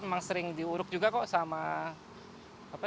paling kurang lebih sebulan